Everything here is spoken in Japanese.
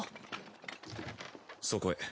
そこへ。